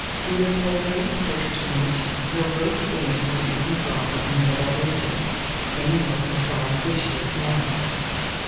Neither poultry, butcher's meat, nor roast game were eaten dry in the middle ages, any more than fried fish is now.